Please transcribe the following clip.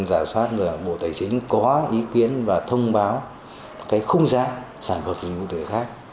giả soát bộ tài chính có ý kiến và thông báo cái khung giá sản phẩm dịch vụ tuyển đổi khác